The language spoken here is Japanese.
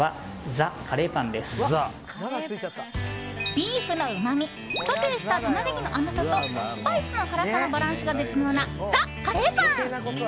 ビーフのうまみソテーしたタマネギの甘さとスパイスの辛さのバランスが絶妙な、ザ・カレーパン。